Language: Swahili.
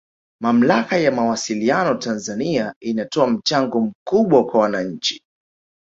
Mamlaka ya Mawasiliano Tanzania inatoa mchango mkubwa kwa wananchi